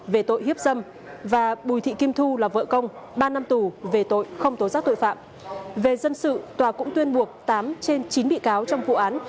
về tội không tố giác tội phạm về dân sự tòa cũng tuyên buộc tám trên chín bị cáo trong vụ án